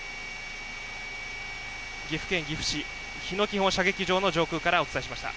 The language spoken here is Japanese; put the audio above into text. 岐阜県岐阜市日野基本射撃場の上空からお伝えしました。